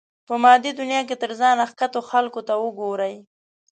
په مادي دنيا کې تر ځان ښکته خلکو ته وګورئ.